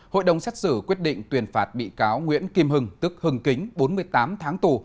hội đồng xét xử quyết định tuyên phạt bị cáo nguyễn kim hưng tức hưng kính bốn mươi tám tháng tù